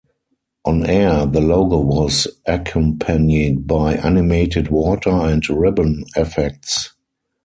On-air, the logo was accompanied by animated water and ribbon effects.